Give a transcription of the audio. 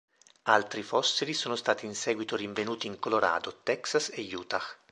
Altri fossili sono stati in seguito rinvenuti in Colorado, Texas e Utah.